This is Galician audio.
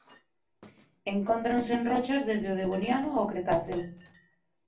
Encóntranse en rochas desde o Devoniano ao Cretáceo.